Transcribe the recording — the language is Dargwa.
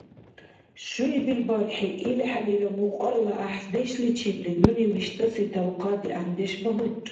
Шуибил бархӀи, илхӀелира мукьарла гӀяхӀдешличибли, нуни виштӀаси талхъа дигӀяндеш багьурра.